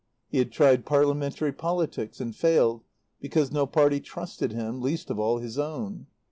He had tried parliamentary politics and failed because no party trusted him, least of all his own.